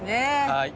はい。